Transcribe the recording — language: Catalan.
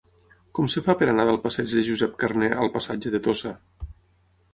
Com es fa per anar del passeig de Josep Carner al passatge de Tossa?